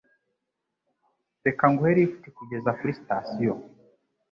Reka nguhe lift kugeza kuri sitasiyo.